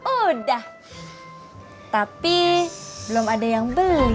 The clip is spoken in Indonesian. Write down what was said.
udah tapi belum ada yang belum